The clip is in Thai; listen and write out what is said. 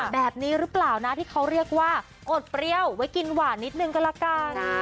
แบบนี้หรือเปล่านะที่เขาเรียกว่าอดเปรี้ยวไว้กินหวานนิดนึงก็ละกัน